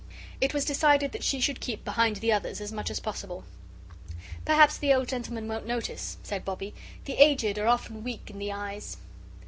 It was decided that she should keep behind the others as much as possible. "Perhaps the old gentleman won't notice," said Bobbie. "The aged are often weak in the eyes."